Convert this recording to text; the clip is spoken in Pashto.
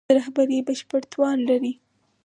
د رهبري بشپړ توان لري.